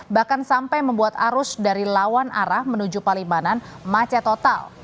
bahkan sampai membuat arus dari lawan arah menuju palimanan macet total